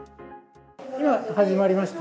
今、始まりました。